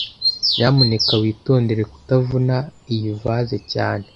Nyamuneka witondere kutavuna iyi vase cyane